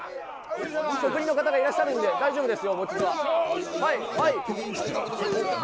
職人の方がいらっしゃるんで、大丈夫ですよ。